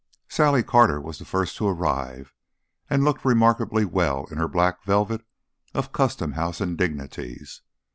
Sally Carter was the first to arrive, and looked remarkably well in her black velvet of Custom House indignities.